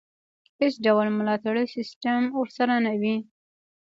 هېڅ ډول ملاتړی سیستم ورسره نه وي.